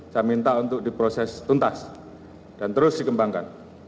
saya minta untuk diproses tuntas dan terus dikembangkan